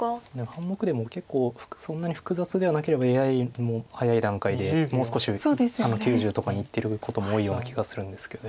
半目でも結構そんなに複雑ではなければＡＩも早い段階でもう少し９０とかにいってることも多いような気がするんですけど